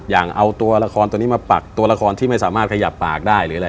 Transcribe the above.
อย่างเอาราคารที่ไม่สามารถขยับปาก